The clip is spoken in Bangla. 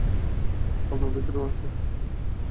আপনার ভেতরেও আছে।